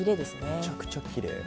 めちゃくちゃきれい。